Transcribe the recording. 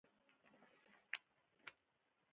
تسبيحات مې شروع کړل.